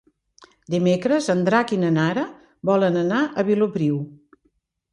Dimecres en Drac i na Nara volen anar a Vilopriu.